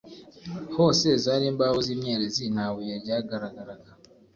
Hose zari imbaho z’imyerezi nta buye ryagaragaraga